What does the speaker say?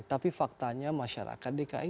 tapi faktanya masyarakat dki